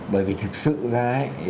bởi vì thực sự ra